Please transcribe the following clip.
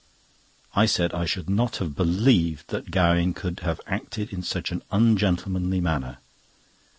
I said I should not have believed that Gowing could have acted in such an ungentlemanly manner.